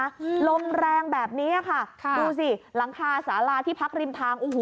หลมแรงแบบนี้ค่ะดูสิหลังคาสาราที่พักริมทาง